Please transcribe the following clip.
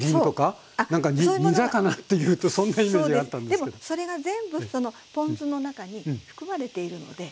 でもそれが全部そのポン酢の中に含まれているので。